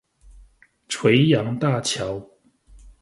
垂楊大橋